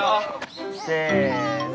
せの。